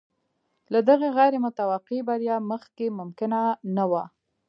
له دغې غیر متوقع بریا مخکې ممکنه نه وه.